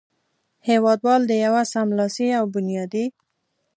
هېوادوال د یوه سملاسي او بنیادي